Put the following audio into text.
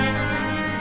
terus berutangku sayang